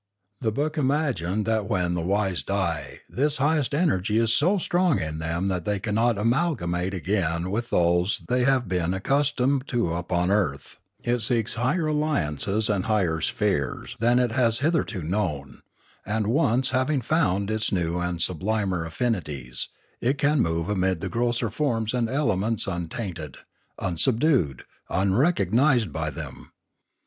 The book imagined that when the wise die this highest energy is so strong in them that it cannot amalgamate again with those they have been accustomed to upon earth; it seeks higher alliance and higher spheres than it has hitherto known; and, once having found its new and sublimer affinities, it can move amid the grosser forms and elements untainted, unsubdued, unrecognised, by them.